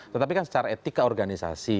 tetapi kan secara etika organisasi